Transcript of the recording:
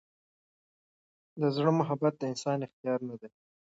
د زړه محبت د انسان اختیار نه دی.